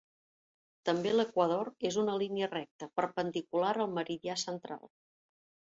També l'equador és una línia recta, perpendicular al meridià central.